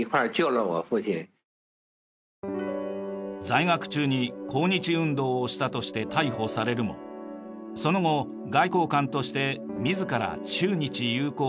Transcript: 在学中に抗日運動をしたとして逮捕されるもその後外交官として自ら中日友好を実現させた陳さん。